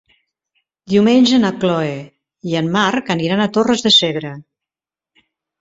Diumenge na Chloé i en Marc aniran a Torres de Segre.